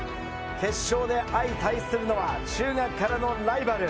決勝で相対するのは中学からのライバル。